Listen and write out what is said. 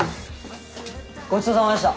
ごちそうさまでした。